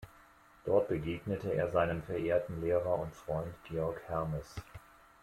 Dort begegnete er seinem verehrten Lehrer und Freund Georg Hermes.